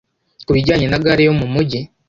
Ku bijyanye na Gare yo mu Mujyi